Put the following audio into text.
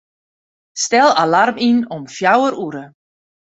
Stel alarm yn om fjouwer oere.